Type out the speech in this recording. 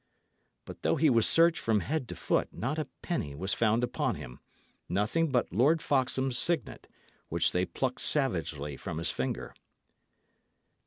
But though he was searched from head to foot, not a penny was found upon him; nothing but Lord Foxham's signet, which they plucked savagely from his finger.